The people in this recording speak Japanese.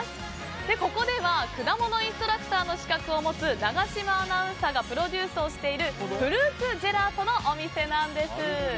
ここでは果物インストラクターの資格を持つ永島アナウンサーがプロデュースをしているフルーツジェラートのお店なんです。